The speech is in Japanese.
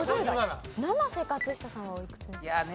生瀬勝久さんはおいくつですか？